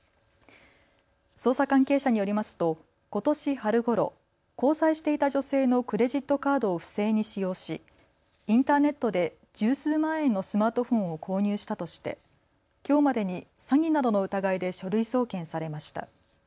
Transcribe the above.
捜査関係者によりますとことし春ごろ、交際していた女性のクレジットカードを不正に使用しインターネットで十数万円のスマートフォンを購入したとしてきょうまでに詐欺などの疑いで書類送検されました。